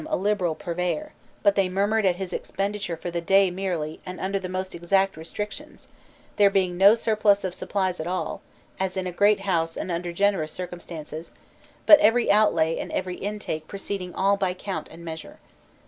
a liberal purveyor, but they murmured at his expendi ture for the day merely and under the most exact restrictions, there being no surplus of supplies at all, as in a great house and under generous circum stances, but every outlay and every intake proceeding by count and measure.